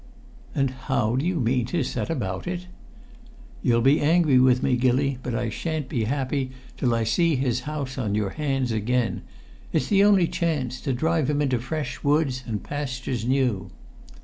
"And how do you mean to set about it?" "You'll be angry with me, Gilly, but I shan't be happy till I see his house on your hands again. It's the only chance to drive him into fresh woods and pastures new!"